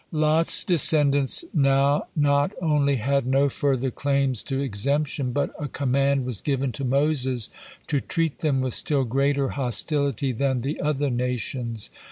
'" Lot's descendants now not only had no further claims to exemption, but a command was given to Moses to treat them with still greater hostility than the other nations.